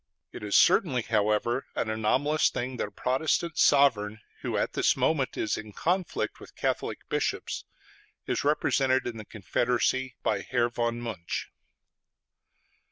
It is certainly, however, an anomalous thing that a Protestant sovereign, who at this moment is in conflict with Catholic bishops, is represented in the Confederacy by Herr von Münch....